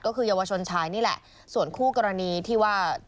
ก็คือเยาวชนชายนี่แหละส่วนคู่กรณีที่ว่า